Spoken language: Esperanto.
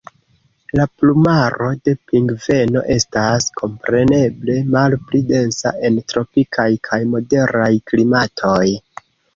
La plumaro de pingveno estas, kompreneble, malpli densa en tropikaj kaj moderaj klimatoj.